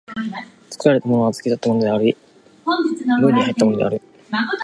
作られたものは過ぎ去ったものであり、無に入ったものである。